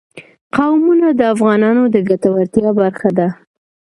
قومونه د افغانانو د ګټورتیا برخه ده.